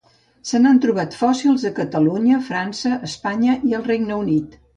Se n'han trobat fòssils a Catalunya, França, Espanya i el Regne Unit.